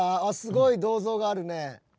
すごい銅像があるね。